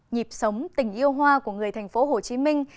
nhịp sống tình yêu hoa của người thành phố hồ chí minh